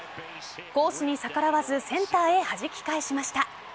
コースに逆らわずセンターへはじき返しました。